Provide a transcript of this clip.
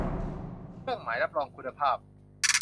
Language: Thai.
เครื่องหมายรับรองคุณภาพ